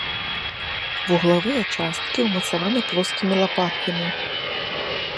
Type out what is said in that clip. Вуглавыя часткі ўмацаваны плоскімі лапаткамі.